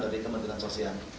dari kementerian sosial